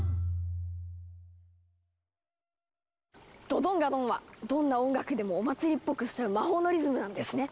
「ドドンガドン」はどんな音楽でもお祭りっぽくしちゃう魔法のリズムなんですね。